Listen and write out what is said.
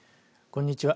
こんにちは。